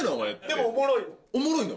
でもおもろい。